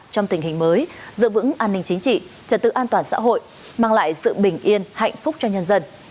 trong tình hình mới giữ vững an ninh chính trị trật tự an toàn xã hội mang lại sự bình yên hạnh phúc cho nhân dân